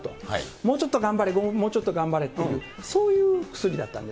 もうちょっと頑張れ、もうちょっと頑張れという、そういう薬だったんです。